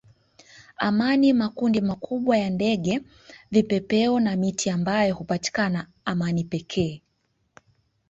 amani makundi makubwa ya ndege vipepeo na miti ambayo hupatikana amani pekee